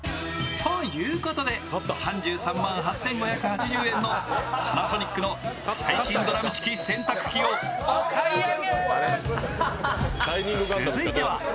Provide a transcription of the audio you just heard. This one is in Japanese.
ということで、３３万８５８０円のパナソニックの最新ドラム式洗濯機をお買い上げ。